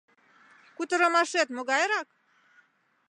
Кутырымашет могайрак?